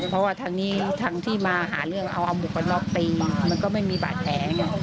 เพราะว่าทางนี้ทางที่มาหาเรื่องเอาเอาหมวกกันน็อกตีมันก็ไม่มีบาดแผลไง